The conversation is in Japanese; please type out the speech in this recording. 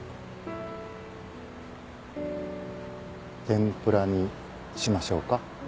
天ぷらにしましょうか。